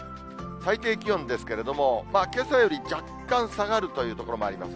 最低気温ですけれども、けさより若干下がるという所もあります。